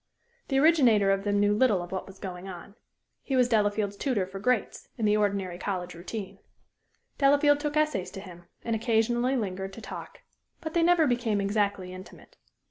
The originator of them knew little of what was going on. He was Delafield's tutor for Greats, in the ordinary college routine; Delafield took essays to him, and occasionally lingered to talk. But they never became exactly intimate.